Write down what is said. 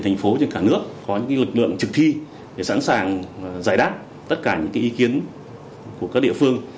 thành phố trên cả nước có những lực lượng thực thi để sẵn sàng giải đáp tất cả những ý kiến của các địa phương